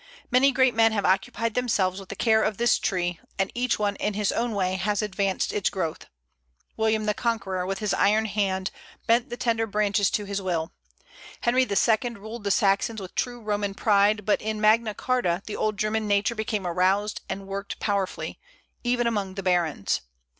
Many great men have occupied themselves with the care of this tree, and each in his own way has advanced its growth. William the Conqueror, with his iron hand, bent the tender branches to his will; Henry the Second ruled the Saxons with true Roman pride, but in Magna Charta the old German nature became aroused and worked powerfully, even among the barons.